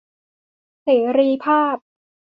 เสรีภาพ